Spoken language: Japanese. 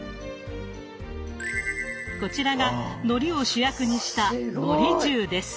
こちらがのりを主役にした「のり重」です。